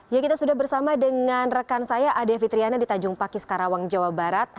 ya kita sudah bersama dengan rekan saya ade fitriana di tanjung pakis karawang jawa barat